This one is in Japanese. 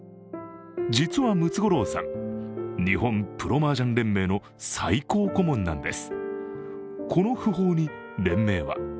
実はムツゴロウさん、日本プロ麻雀連盟の最高顧問なんです。